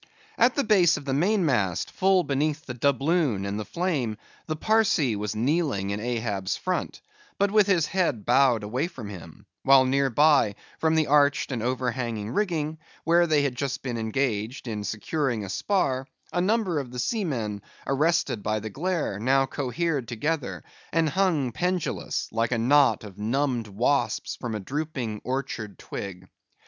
At the base of the mainmast, full beneath the doubloon and the flame, the Parsee was kneeling in Ahab's front, but with his head bowed away from him; while near by, from the arched and overhanging rigging, where they had just been engaged securing a spar, a number of the seamen, arrested by the glare, now cohered together, and hung pendulous, like a knot of numbed wasps from a drooping, orchard twig.